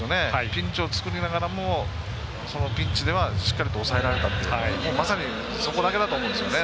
ピンチを作りながらもそのピンチではしっかり抑えられたというまさにそこだけだと思うんですよね。